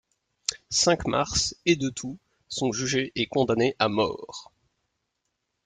Cinq-Mars et de Thou sont jugés et condamnés à mort.